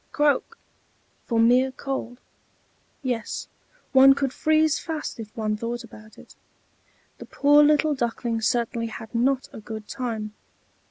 croak!" for mere cold; yes, one could freeze fast if one thought about it. The poor little Duckling certainly had not a good time.